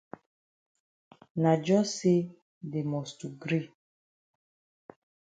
Na jus say dey must to gree.